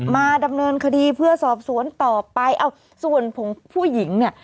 มาดำเนินคดีเพื่อสอบสวนต่อไปเอ้าส่วนผงผู้หญิงเนี่ย